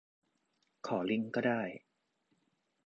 ขอลิงก์ก็ได้